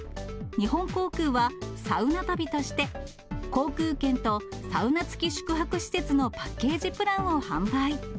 日本航空は、サウナ旅として、航空券とサウナ付き宿泊施設のパッケージプランを販売。